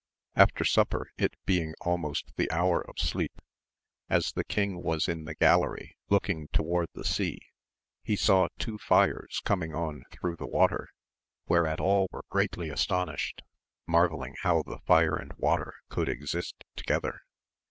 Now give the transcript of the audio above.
FTER supper, it being almost the hour of sleep, as the king was in the gallery looking toward the sea, he saw two fires coming on through the water, whereat all were greatly astonished, marvelling how the fire and water could exist together.